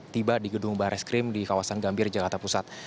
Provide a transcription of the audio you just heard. tiba di gedung barreskrim di kawasan gambir jakarta pusat